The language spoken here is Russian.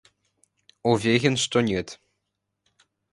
Уверен, что нет.